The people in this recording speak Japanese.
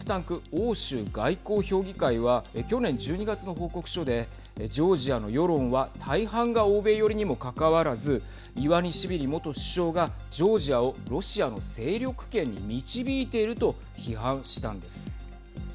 欧州外交評議会は去年１２月の報告書でジョージアの世論は大半が欧米寄りにもかかわらずイワニシビリ元首相がジョージアをロシアの勢力圏に導いていると批判したんです。